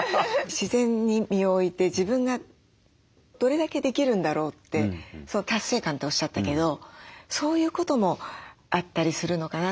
自然に身を置いて自分がどれだけできるんだろうって達成感っておっしゃったけどそういうこともあったりするのかなと。